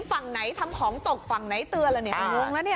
ฝั่งไหนทำของตกฝั่งไหนเตือน